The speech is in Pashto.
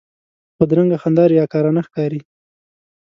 بدرنګه خندا ریاکارانه ښکاري